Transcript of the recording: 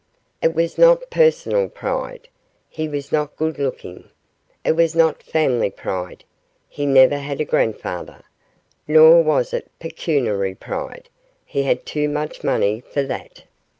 It was not personal pride he was not good looking; it was not family pride he never had a grandfather; nor was it pecuniary pride he had too much money for that.